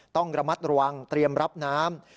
ต้องระมัดระวังเตรียมรับน้ำ